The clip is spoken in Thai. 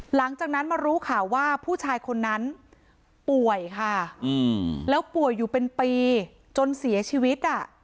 หลังจากนั้นมารู้ข่าวว่าผู้ชายคนนั้นป่วยค่ะแล้วป่วยอยู่เป็นปีจนเสียชีวิต